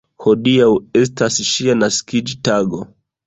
Hodiaŭ estas ŝia naskiĝtago.